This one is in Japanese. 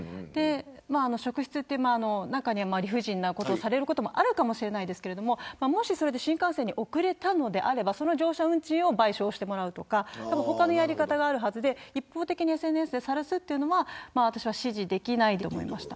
職質という、中には理不尽なことをされることもあるかもしれませんがもし新幹線に遅れたのであれば乗車運賃を賠償してもらうとか他のやり方があるはずで一方的にＳＮＳでさらすのは支持できないと思いました。